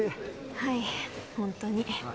はい本当に。